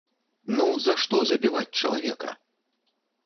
Ну, за што забіваць чалавека?